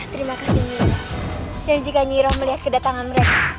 dan jika nyiiroh melihat kedatangan mereka